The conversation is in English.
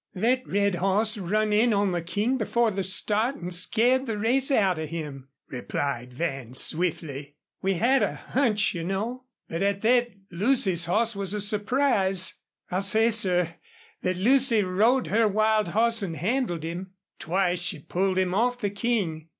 "Thet red hoss run in on the King before the start an' scared the race out of him," replied Van, swiftly. "We had a hunch, you know, but at thet Lucy's hoss was a surprise. I'll say, sir, thet Lucy rode her wild hoss an' handled him. Twice she pulled him off the King.